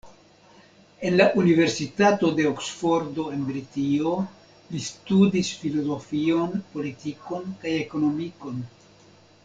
En la universitato de Oksfordo en Britio li studis filozofion, politikon kaj ekonomikon.